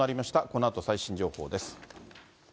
このあと最新情報です。